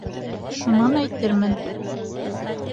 Шунан әйтермен.